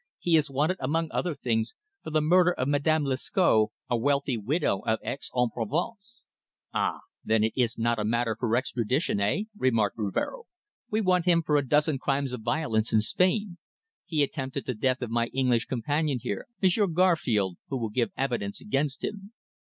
He is wanted, among other things, for the murder of Madame Lescot, a wealthy widow of Aix en Provence." "Ah! Then it is not a matter for extradition, eh?" remarked Rivero. "We want him for a dozen crimes of violence in Spain. He attempted the death of my English companion here, Monsieur Garfield who will give evidence against him."